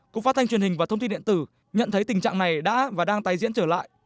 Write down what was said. cục phát thanh truyền hình và thông tin điện tử nhận thấy tình trạng này đã và đang tái diễn trở lại